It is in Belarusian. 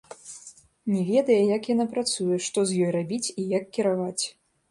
Не ведае, як яна працуе, што з ёй рабіць і як кіраваць.